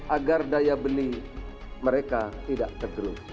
agar daya beli mereka tidak tergerus